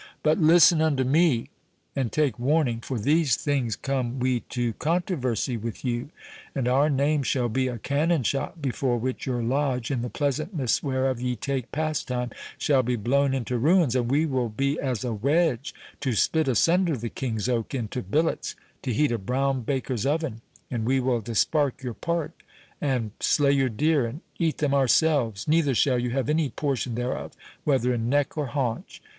But listen unto me and take warning. For these things come we to controversy with you. And our name shall be a cannon shot, before which your Lodge, in the pleasantness whereof ye take pastime, shall be blown into ruins; and we will be as a wedge to split asunder the King's Oak into billets to heat a brown baker's oven; and we will dispark your park, and slay your deer, and eat them ourselves, neither shall you have any portion thereof, whether in neck or haunch.